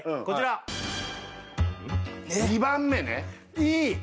こちら２番目ねいい